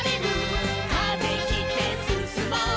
「風切ってすすもう」